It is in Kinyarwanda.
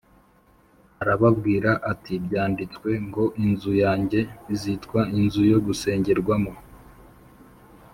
arababwira ati “Byanditswe ngo ‘Inzu yanjye izitwa inzu yo gusengerwamo’